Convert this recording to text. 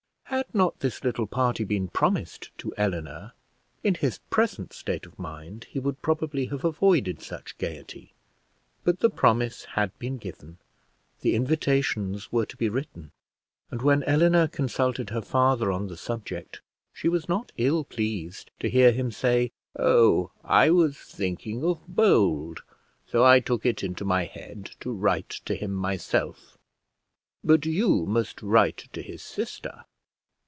Had not this little party been promised to Eleanor, in his present state of mind he would probably have avoided such gaiety; but the promise had been given, the invitations were to be written, and when Eleanor consulted her father on the subject, she was not ill pleased to hear him say, "Oh, I was thinking of Bold, so I took it into my head to write to him myself, but you must write to his sister."